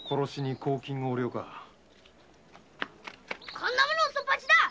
こんなもの嘘っぱちだ！